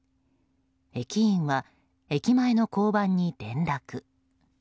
駅員は、駅前の交番に連絡。